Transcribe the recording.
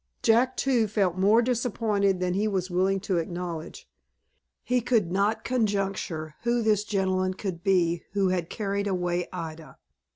Jack, too, felt more disappointed than he was willing to acknowledge. He could not conjecture who this gentleman could be who had carried away Ida.